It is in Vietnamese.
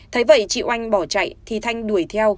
thấy vậy chị oanh bỏ chạy thì thanh đuổi theo